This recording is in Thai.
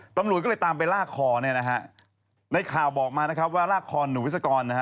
ตำรวจก็เลยตามไปลากคอเนี่ยนะฮะในข่าวบอกมานะครับว่าลากคอหนุ่มวิศกรนะฮะ